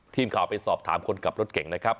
ทีมข่าวไปสอบถามคนขับรถเก่งนะครับ